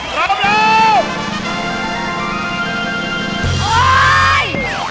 พร้อมแล้ว